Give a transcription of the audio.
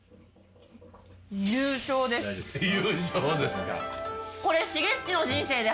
優勝ですか。